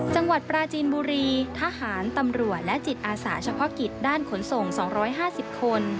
จังหวัดปราจีนบุรีทหารตำรวจและจิตอาสาเฉพาะกิจด้านขนส่ง๒๕๐คน